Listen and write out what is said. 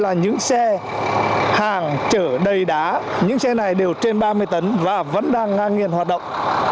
là những xe hàng trở đầy đá những xe này đều trên ba mươi tấn và vẫn đang ngang nghiền hoạt động